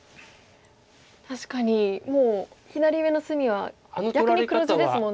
確かにもう左上の隅は逆に黒地ですもんね。